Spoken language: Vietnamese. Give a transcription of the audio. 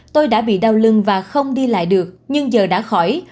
tôi đã bị đau lưng và không đi lại được nhưng giờ đã khỏi